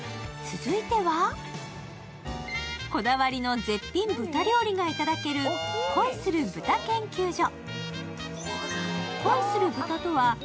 続いては、こだわりの絶品豚料理が頂ける恋する豚研究所。